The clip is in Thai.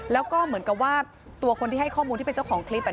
แล้วก็เหมือนกับว่าตัวคนที่ให้ข้อมูลที่เป็นเจ้าของคลิป